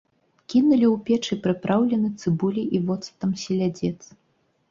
Кінулі ў печ і прыпраўлены цыбуляй і воцатам селядзец.